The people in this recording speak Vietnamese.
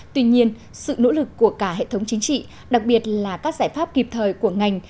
tuy nhiên sự nỗ lực của cả hệ thống chính trị đặc biệt là các giải pháp kịp thời của ngành